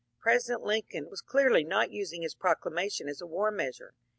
President Lincoln was clearly not using his proclamation as a war measure.